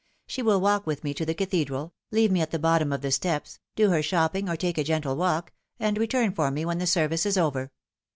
She will walk with me to the Cathedral, leave me at the bottom of the steps, do her shopping or take a gentle walk, and return for me when the service is over.